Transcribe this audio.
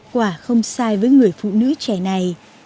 quả không sai với người phụ nữ trẻ này